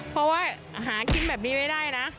เพราะว่าหากินแบบนี้ไม่ได้นะ